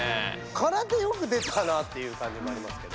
空手よく出たなっていう感じもありますけど。